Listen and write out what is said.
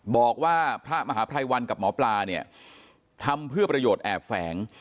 บอกว่าพระมหาภัยวันกับหมอปลาเนี่ยทำเพื่อประโยชน์แอบแฝง